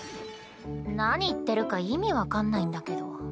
何言ってるか意味分かんないんだけど。